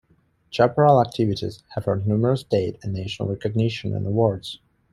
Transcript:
Chaparral activities have earned numerous state and national recognition and awards.